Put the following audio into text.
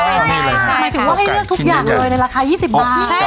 หมายถึงว่าให้เลือกทุกอย่างเลยในราคา๒๐บาท